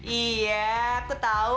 iya aku tahu